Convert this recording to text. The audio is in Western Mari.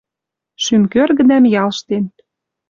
Шӱм кӧргӹдӓм ялштен.